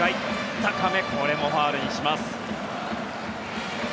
高め、これもファウルにします。